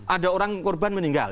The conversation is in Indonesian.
ada orang korban meninggal